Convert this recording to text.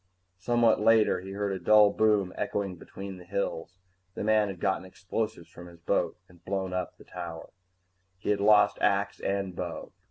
Somewhat later, he heard a dull boom echoing between the hills. The man had gotten explosives from his boat and blown up the tower. He had lost axe and bow.